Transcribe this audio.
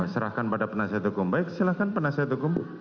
serahkan pada penasihat hukum baik silahkan penasihat hukum